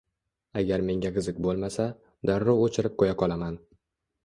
Agar menga qiziq boʻlmasa, darrov oʻchirib qoʻya qolaman.